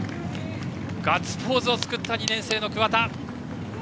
ガッツポーズを作った２年生の桑田。